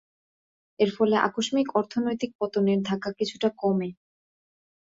এর ফলে আকস্মিক অর্থনৈতিক পতনের ধাক্কা কিছুটা কমে।